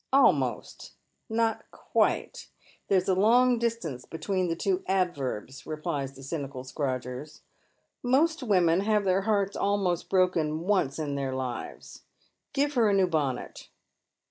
"Almost, not quite. There's a long distance between the two adverbs," replies the cynical Scrodgers. " Most women have their hearts almost broken once in their Uves. Give her a new bonnet."